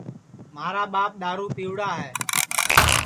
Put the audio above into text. مھارا ٻاپ دؔارو پیوڑ ہے